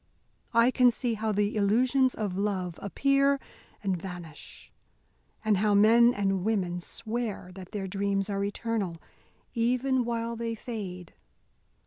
I can see how the illusions of love appear and vanish, and how men and women swear that their dreams are eternal, even while they fade.